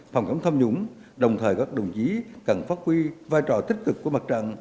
phòng cảm thâm nhũng đồng thời các đồng chí càng phát huy vai trò tích cực của mặt trạng